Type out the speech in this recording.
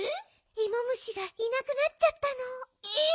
イモ虫がいなくなっちゃったの。え！